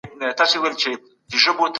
هندوانو په بلخ کي کوم تاریخي جشنونه لمانځل؟